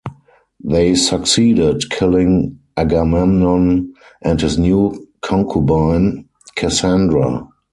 They succeeded, killing Agamemnon and his new concubine, Cassandra.